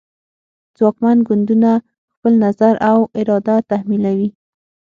ځواکمن ګوندونه خپل نظر او اراده تحمیلوي